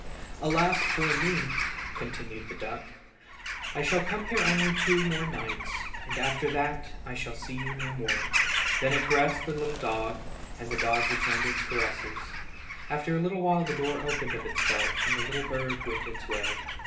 "Alas, poor me!" continued the duck, "I shall come here only on two more nights. After that I shall see you no more." Then it caressed the little dog, and the dog returned its caresses. After a little while the door opened of itself and the little bird went its way.